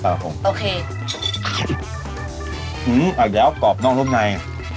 อันเดี๋ยวกรอบนอกนอกใน